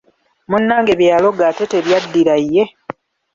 Munnange bye yaloga ate tebyaddira ye?